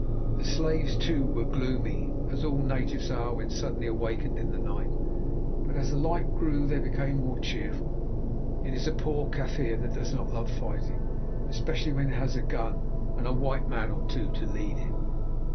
The slaves, too, were gloomy, as all natives are when suddenly awakened in the night; but as the light grew they became more cheerful. It is a poor Kaffir that does not love fighting, especially when he has a gun and a white man or two to lead him.